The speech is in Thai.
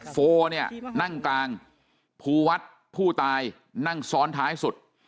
โฟเนี่ยนั่งกลางภูวัฒน์ผู้ตายนั่งซ้อนท้ายสุด